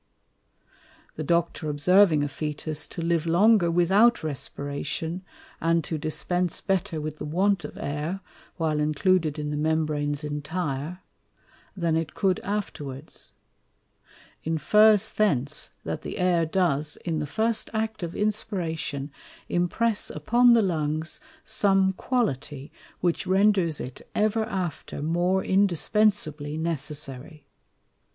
_ The Doctor observing a Fœtus to live longer without Respiration, and to dispence better with the want of Air while included in the Membranes intire, than it cou'd afterwards; infers thence, that the Air does in the first Act of Inspiration impress upon the Lungs some quality, which renders it ever after more indispensably necessary.